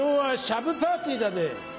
シャブパーティーだぜ。